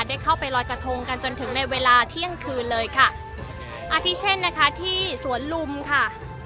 ได้เข้าไปลอยกระทงกันจนถึงในเวลาเที่ยงคืนเลยค่ะอาทิเช่นนะคะที่สวนลุมค่ะ